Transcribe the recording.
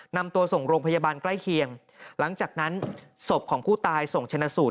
นำตัวส่งโรงพยาบาลใกล้เคียงหลังจากนั้นศพของผู้ตายส่งชนะสูตร